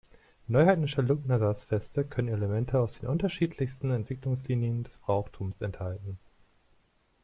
Neuheidnische Lughnasadh-Feste können Elemente aus den unterschiedlichsten Entwicklungslinien des Brauchtums enthalten.